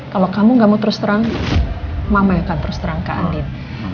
kalau kamu gak mau terus terang mama yang akan terus terang kak andien